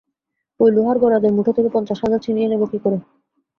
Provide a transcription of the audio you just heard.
ঐ লোহার গরাদের মুঠো থেকে পঞ্চাশ হাজার ছিনিয়ে নেব কী করে?